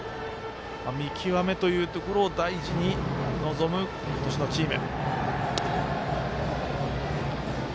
見極めというところを大事に臨む今年のチーム。